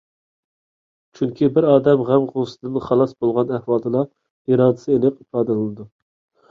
چۈنكى، بىر ئادەم غەم ـ غۇسسىدىن خالاس بولغان ئەھۋالدىلا ئىرادىسى ئېنىق ئىپادىلىنىدۇ.